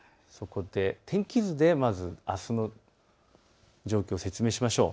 天気図であすの状況を説明しましょう。